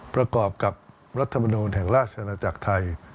ประกอบกับรัฐมนูลแห่งราชนาจักรไทย